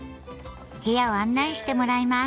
部屋を案内してもらいます。